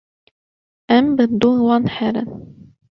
em bi dû wan herin